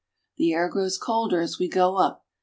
The air grows colder as we go up.